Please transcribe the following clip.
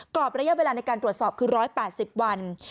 กรอบระยะเวลาในการตรวจสอบคือ๑๘๐วัน